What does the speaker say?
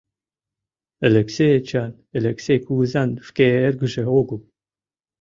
Элексей Эчан Элексей кугызан шке эргыже огыл.